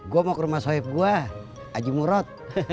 gue mau ke rumah sohib gue aji murad